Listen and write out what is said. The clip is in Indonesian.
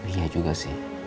iya juga sih